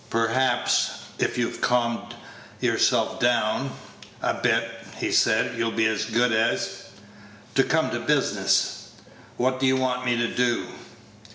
"Perhaps, if you've calmed yourself down a bit," he said, "you'll be so good as to come to business. What do you want me to do?"